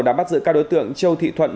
đã bắt giữ các đối tượng châu thị thuận